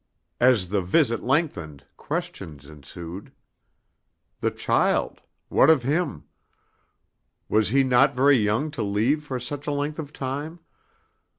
As the visit lengthened, questions ensued. The child. What of him. Was he not very young to leave for such a length of time?